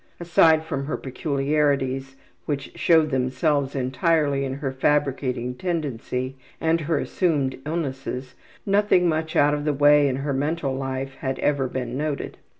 Aside from her peculiarities, which showed themselves entirely in her fabricating tendency and her assumed illnesses, nothing much out of the way in her mental life had ever been noted.